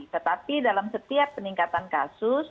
tetapi dalam setiap peningkatan kasus